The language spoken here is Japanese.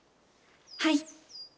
はい。